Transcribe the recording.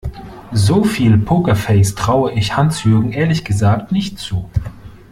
So viel Pokerface traue ich Hans-Jürgen ehrlich gesagt nicht zu.